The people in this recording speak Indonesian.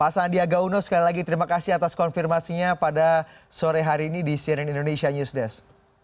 pak sandiaga uno sekali lagi terima kasih atas konfirmasinya pada sore hari ini di cnn indonesia news desk